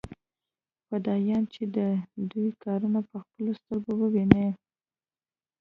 فدايان چې د دوى کارونه په خپلو سترګو وويني.